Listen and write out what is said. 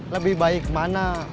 lebih baik mana